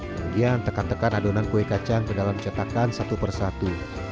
kemudian tekan tekan adonan kue kacang ke dalam cetakan satu persatu